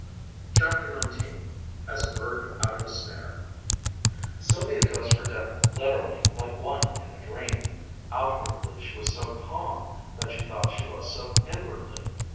CHAPTER XIX AS A BIRD OUT OF A SNARE Sylvia dressed for dinner literally like one in a dream. Outwardly she was so calm that she thought she was so inwardly.